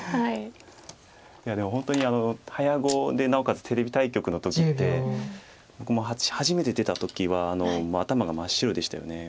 いやでも本当に早碁でなおかつテレビ対局の時って僕も初めて出た時は頭が真っ白でしたよね。